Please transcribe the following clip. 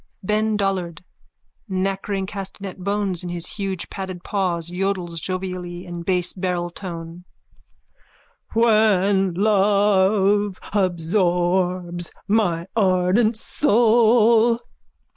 _ BEN DOLLARD: (Nakkering castanet bones in his huge padded paws, yodels jovially in base barreltone.) When love absorbs my ardent soul.